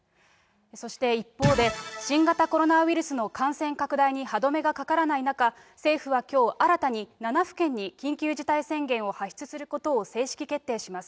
そして一方で、新型コロナウイルスの感染拡大に歯止めがかからない中、政府はきょう、新たに７府県に緊急事態宣言を発出することを正式決定します。